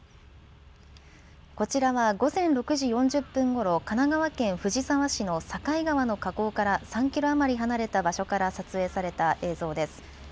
こちらは午前６時４０分ごろ神奈川県藤沢市の境川の河口から３キロ余り離れた場所から撮影された映像です。